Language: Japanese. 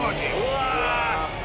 うわ。